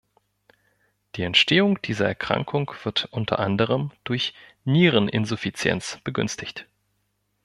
Die Entstehung dieser Erkrankung wird unter anderem durch Niereninsuffizienz begünstigt.